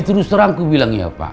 terus terang aku bilang ya pak